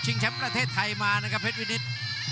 แชมป์ประเทศไทยมานะครับเพชรวินิต